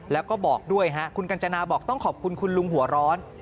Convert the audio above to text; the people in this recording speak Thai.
แล้วก็บอกด้วยคุณกัญจนาบอกต้องขอบคุณคุณลุงหัวร้อน